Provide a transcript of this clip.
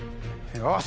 よし！